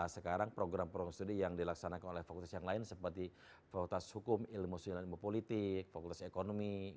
sekarang program program studi yang dilaksanakan oleh fakultas yang lain seperti fakultas hukum ilmu sosial ilmu politik fakultas ekonomi